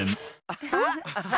アハハ！